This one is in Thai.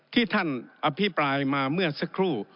ที่ท่านอภิปรายมาเมื่อสักครู่